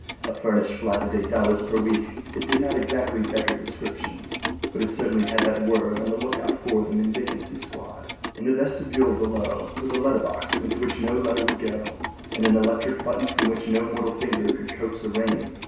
A furnished flat at $8 per week. It did not exactly beggar description, but it certainly had that word on the lookout for the mendicancy squad. In the vestibule below was a letter box into which no letter would go, and an electric button from which no mortal finger could coax a ring.